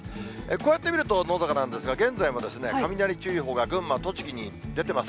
こうやって見るとのどかなんですが、現在も雷注意報が群馬、栃木に出てます。